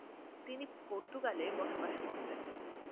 তিনি পর্তুগালে বসবাস করতেন।